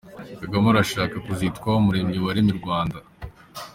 Kagame arashaka kuzitwa Umuremyi waremye u Rwanda.